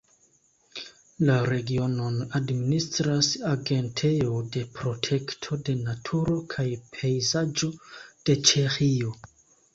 La regionon administras Agentejo de protekto de naturo kaj pejzaĝo de Ĉeĥio.